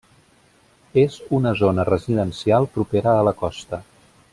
És una zona residencial propera a la costa.